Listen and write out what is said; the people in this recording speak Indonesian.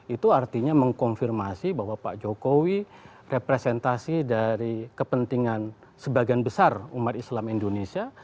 itu artinya mengkonfirmasi bahwa pak jokowi representasi dari kepentingan sebagian besar umat islam indonesia